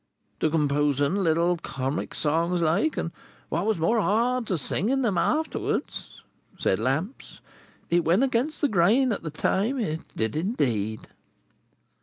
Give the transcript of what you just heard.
"—To composing little Comic Songs like—and what was more hard—to singing 'em afterwards," said Lamps, "it went against the grain at that time, it did indeed."